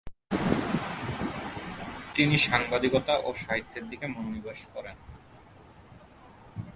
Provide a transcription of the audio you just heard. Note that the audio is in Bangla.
তিনি সাংবাদিকতা ও সাহিত্যের দিকে মনোনিবেশ করেন।